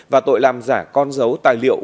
và tội làm giả con dấu tài liệu